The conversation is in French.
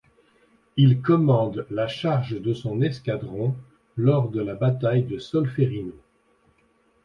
Il commande la charge de son escadron lors de la bataille de Solférino.